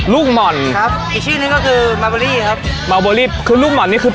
ลูกหม่อนครับที่ชื่อนี้ก็คือครับคือลูกหม่อนนี่คือ